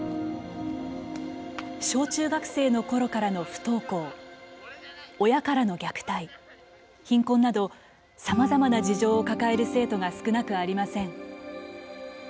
小・中学生のころからの不登校親からの虐待、貧困などさまざまな事情を抱える生徒が少なくありません。